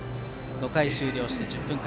５回終了して１０分間。